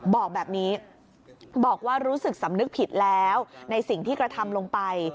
บอกแบบนี้บอกว่ารู้สึกสำนึกผิดแล้วในสิ่งที่กระทำลงไป